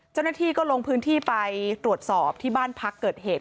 เจ้าหน้าที่ก็ลงพื้นที่ไปตรวจสอบที่บ้านพักเกิดเหตุ